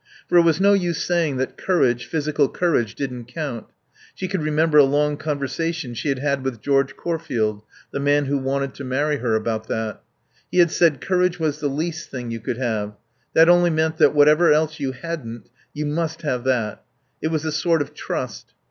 For it was no use saying that courage, physical courage, didn't count. She could remember a long conversation she had had with George Corfield, the man who wanted to marry her, about that. He had said courage was the least thing you could have. That only meant that, whatever else you hadn't, you must have that. It was a sort of trust.